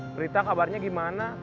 berita kabarnya gimana